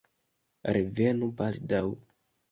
Revenu baldaŭ!